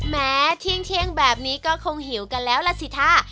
แม้เที่ยงแบบนี้ก็คงหิวกันแล้วล่ะสิค่ะ